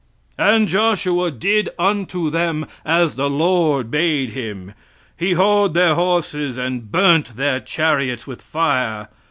"And Joshua did unto them as the Lord bade him; he houghed their horses, and burnt their chariots with fire.